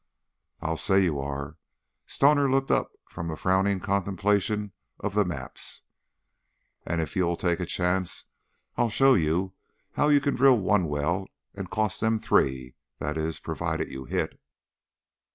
"I'll say you are!" Stoner looked up from a frowning contemplation of the maps. "And if you'll take a chance I'll show you how you can drill one well and cost them three that is, provided you hit."